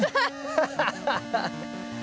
ハハハハ！